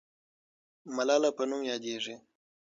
ملاله په نوم یادېږي.